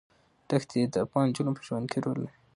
دښتې د افغان ښځو په ژوند کې رول لري.